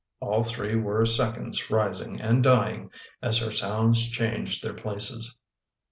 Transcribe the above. All three were seconds rising and dying as her sounds changed their places.